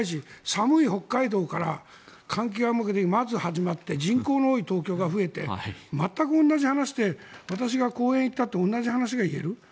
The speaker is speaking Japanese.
寒い北海道から換気ができなくてまず始まって人口の多い東京が増えて全く同じ話で私が講演行ったって同じ話が言える。